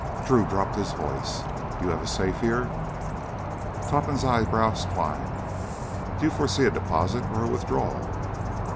Drew dropped his voice. "Do you have a safe here?" Topham's eyebrows climbed. "Do you foresee a deposit or a withdrawal?"